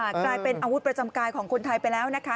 กลายเป็นอาวุธประจำกายของคนไทยไปแล้วนะคะ